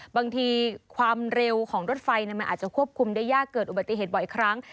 บางทีความเร็วของรถไฟมันอาจจะควบคุมได้ยากเกิดอุบัติเหตุบ่อยครั้ง